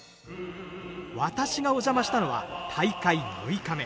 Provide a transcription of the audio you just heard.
私がお邪魔したのは大会６日目。